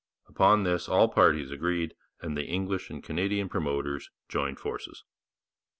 Upon this all parties agreed, and the English and Canadian promoters joined forces.